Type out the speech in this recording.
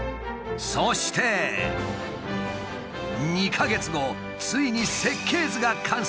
そして２か月後ついに設計図が完成した。